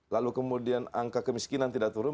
lalu kemudian angka kemiskinan tidak turun